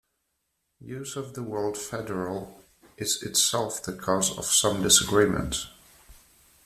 Use of the word 'federal' is itself the cause of some disagreement.